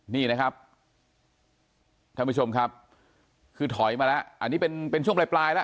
นี่นะครับท่านผู้ชมครับคือถอยมาแล้วอันนี้เป็นเป็นช่วงปลายปลายแล้ว